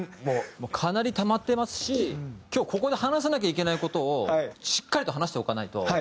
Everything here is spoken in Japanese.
もうかなりたまってますし今日ここで話さなきゃいけない事をしっかりと話しておかないと。